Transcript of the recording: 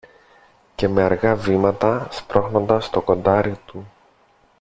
Και με αργά βήματα, σπρώχνοντας το κοντάρι του